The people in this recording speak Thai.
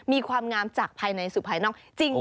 มีความงามจากภายในสู่ภายนอกจริง